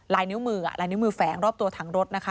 ลายนิ้วมือลายนิ้วมือแฝงรอบตัวถังรถนะคะ